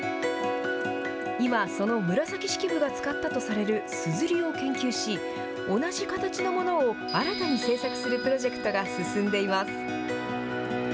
今、その紫式部が使ったとされるすずりを研究し同じ形のものを新たに製作するプロジェクトが進んでいます。